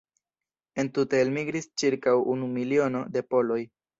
Entute elmigris ĉirkaŭ unu miliono de poloj.